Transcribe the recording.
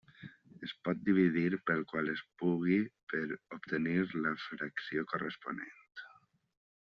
Es pot dividir pel qual es pugui per obtenir la fracció corresponent.